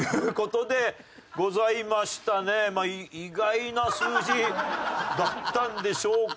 まあ意外な数字だったんでしょうか。